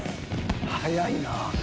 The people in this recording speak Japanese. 早いな。